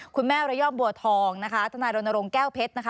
คุณแม่ระย่อมบัวทองธนารณรงค์แก้วเพชร